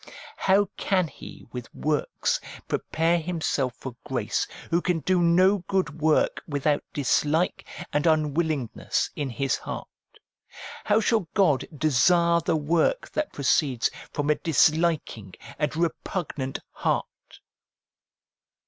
How can he with works prepare himself for grace, who can do no good work without dislike and unwillingness in his heart ? How shall God desire the work that proceeds from a disliking and repugnant heart